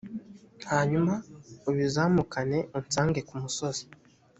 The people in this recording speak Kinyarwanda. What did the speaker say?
hanyuma ubizamukane unsange ku musozi;